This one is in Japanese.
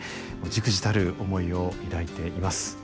じくじたる思いを抱いています。